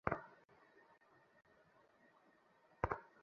তিনি চৌদ্দ বছর থাকেন।